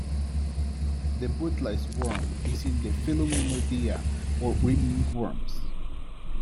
The bootlace worm is in the phylum Nemertea or ribbon worms.